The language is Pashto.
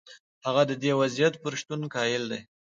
هغه د دې وضعیت پر شتون قایل دی.